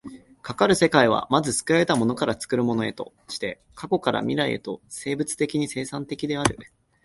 かかる世界は、まず作られたものから作るものへとして、過去から未来へとして生物的に生産的である。